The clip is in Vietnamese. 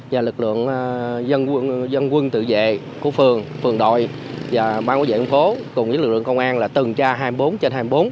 và lực lượng dân quân tự vệ của phường phường đội và bang quốc gia thành phố cùng với lực lượng công an là tuần tra hai mươi bốn trên hai mươi bốn